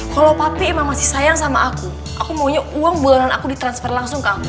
kalau pabrik emang masih sayang sama aku aku maunya uang bulanan aku ditransfer langsung ke aku